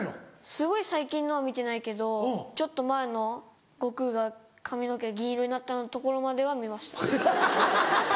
すごい最近のは見てないけどちょっと前の悟空が髪の毛銀色になったところまでは見ました。